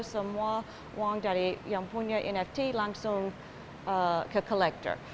semua uang dari yang punya nft langsung ke kolektor